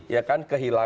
ya kan kehilangan